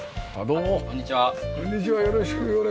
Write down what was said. どうも。